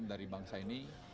dari bangsa ini